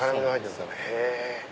へぇ！